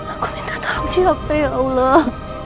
aku minta tolong siapa ya allah